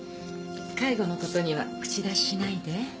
介護のことには口出ししないで。